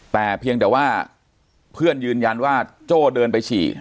แต่เพียงแต่ว่าเพื่อนยืนยันว่าโจ้เดินไปฉี่